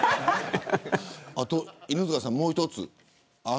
あと犬塚さん、もう一つ。